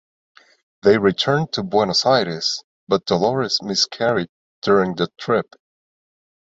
They returned to Buenos Aires, but Dolores miscarried during the trip.